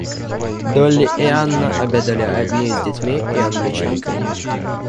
Долли и Анна обедали одни с детьми и Англичанкой.